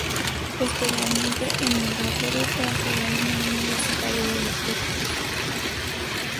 Posteriormente emigró a Perú para jugar en el Universitario de Deportes.